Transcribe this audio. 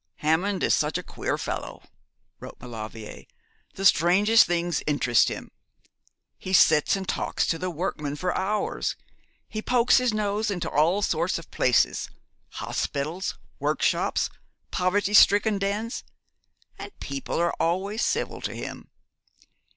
'Hammond is such a queer fellow,' wrote Maulevrier, 'the strangest things interest him. He sits and talks to the workmen for hours; he pokes his nose into all sorts of places hospitals, workshops, poverty stricken dens and people are always civil to him.